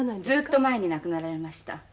ずっと前に亡くなられました。